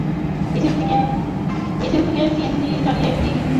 মিছিল থেকে সিএনজিচালিত একটি অটোরিকশায় পেট্রলবোমা নিক্ষেপ করার চেষ্টা করা হয়।